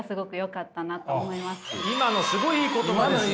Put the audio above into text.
今のすごいいい言葉ですね。